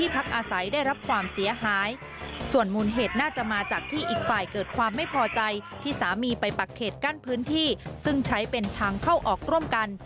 ปักเขตกั้นพื้นที่ซึ่งใช้เป็นทางเข้าออกร่วมกัน